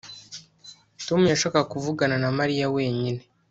Tom yashakaga kuvugana na Mariya wenyine